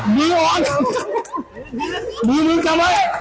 มึงเอาไป